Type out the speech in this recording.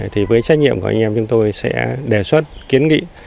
thì với trách nhiệm của anh em chúng tôi sẽ đề xuất kiến nghị